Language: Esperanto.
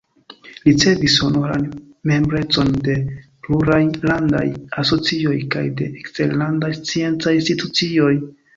Ricevis honoran membrecon de pluraj landaj asocioj kaj de eksterlandaj sciencaj institucioj.